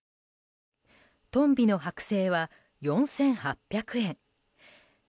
トンビの剥製は４８００円。